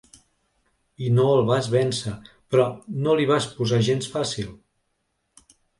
I no el vas vèncer, però no li vas posar gens fàcil.